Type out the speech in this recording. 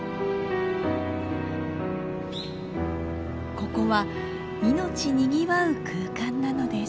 ここは命にぎわう空間なのです。